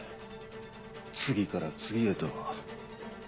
次から次へと。